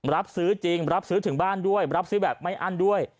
รับซื้อจริงรับซื้อถึงบ้านด้วยรับซื้อแบบไม่อั้นด้วย